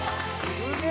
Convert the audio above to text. すげえ！